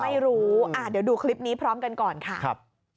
ไม่รู้เดี๋ยวดูคลิปนี้พร้อมกันก่อนค่ะครับ